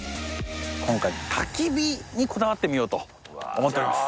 今回焚き火にこだわってみようと思っております。